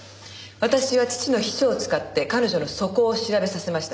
私は父の秘書を使って彼女の素行を調べさせました。